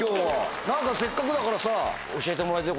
せっかくだからさ。